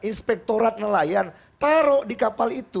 inspektorat nelayan taruh di kapal itu